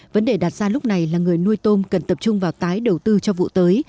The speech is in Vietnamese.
vấn đề đặt ra lúc này là người nuôi tôm cần tập trung vào tái đầu tư cho vụ tới